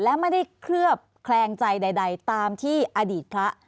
และไม่ได้เคลือบแคลงใจใดตามที่อดีตพระ